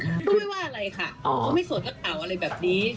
ก็ไม่ว่าอะไรค่ะเขาไม่สวดนักข่าวอะไรแบบนี้